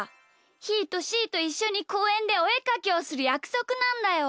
ひーとしーといっしょにこうえんでおえかきをするやくそくなんだよ。